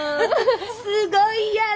すごいやろ！